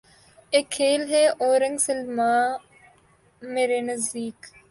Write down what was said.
اک کھیل ہے اورنگ سلیماں مرے نزدیک